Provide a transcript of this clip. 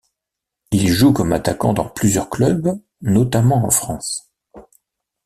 Il joue comme attaquant dans plusieurs clubs, notamment en France.